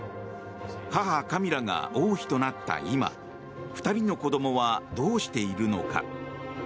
母カミラが王妃となった今２人の子供はどうしているのか。